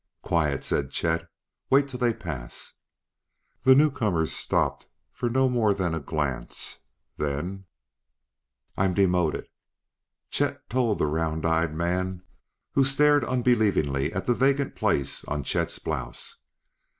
"Quiet!" said Chet. "Wait till they pass!" The newcomers stopped for no more than a glance. Then: "I'm demoted," Chet told the round eyed man who stared unbelievingly at the vacant place on Chet's blouse.